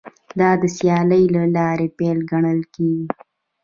دا د سیالۍ د لارې پیل ګڼل کیږي